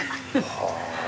はあ。